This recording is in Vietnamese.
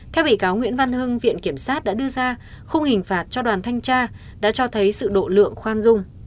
theo bị cáo nguyễn văn hưng viện kiểm sát đã đưa ra khung hình phạt cho đoàn thanh tra đã cho thấy sự độ lượng khoan dung